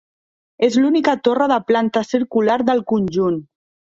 És l'única torre de planta circular del conjunt.